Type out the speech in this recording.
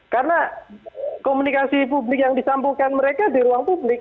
karena komunikasi publik yang disambungkan mereka di ruang publik